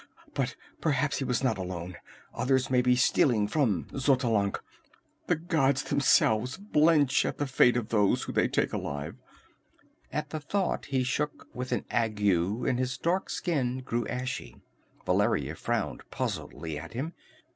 But perhaps he was not alone. Others may be stealing from Xotalanc! The gods themselves blench at the fate of those they take alive!" At the thought he shook as with an ague and his dark skin grew ashy. Valeria frowned puzzledly at him.